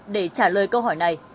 để trả lời câu hỏi này